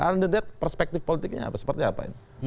untuk perspektif politiknya seperti apa